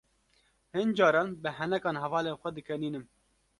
Hin caran bi henekan hevalên xwe dikenînim.